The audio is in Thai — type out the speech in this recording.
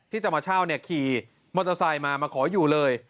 ที่จะมาเช่าขี่มอเตอร์ไซค์มามาขออยู่เลย